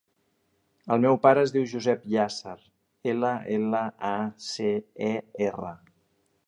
El meu pare es diu Josep Llacer: ela, ela, a, ce, e, erra.